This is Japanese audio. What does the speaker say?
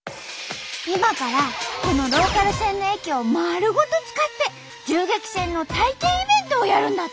今からこのローカル線の駅をまるごと使って銃撃戦の体験イベントをやるんだって。